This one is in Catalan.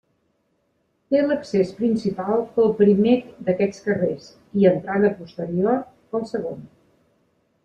Té l'accés principal pel primer d'aquests carrers i entrada posterior pel segon.